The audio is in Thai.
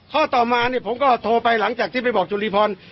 ข้อต่อมาเนี่ยผมก็โทรไปหลังจากที่ไปบอกจุรีพร